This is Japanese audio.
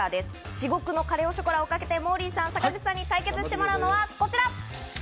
至極のカレ・オ・ショコラをかけてモーリーさん、坂口さんに対決してもらうのは、こちら。